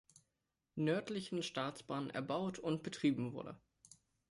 Nördlichen Staatsbahn erbaut und betrieben wurde.